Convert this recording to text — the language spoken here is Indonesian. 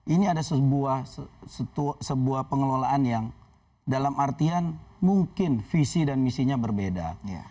ini ada sebuah pengelolaan yang dalam artian mungkin visi dan misinya berbeda